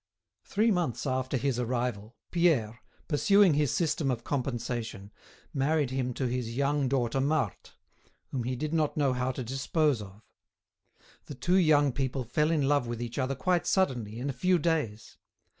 Three months after his arrival, Pierre, pursuing his system of compensation, married him to his young daughter Marthe,[*] whom he did not know how to dispose of. The two young people fell in love with each other quite suddenly, in a few days.